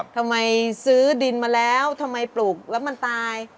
ทำไมซื้อดินมาแล้วทำไมปลูกแล้วมันตาย